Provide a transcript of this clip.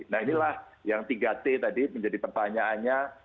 nah inilah yang tiga t tadi menjadi perpanyaannya